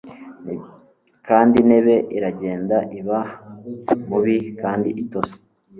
Kandi intebe iragenda iba mubi kandi itose